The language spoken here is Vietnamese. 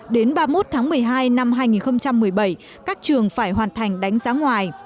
đến ba mươi một tháng một mươi hai năm hai nghìn một mươi bảy các trường phải hoàn thành đánh giá ngoài